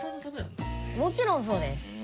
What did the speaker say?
もちろんそうです！